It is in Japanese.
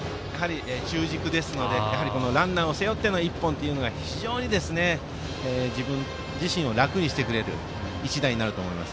中軸ですので、ランナーを背負っての１本というのが非常に自分自身を楽にしてくれると思います。